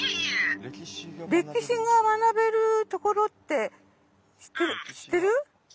歴史が学べる所って知ってる？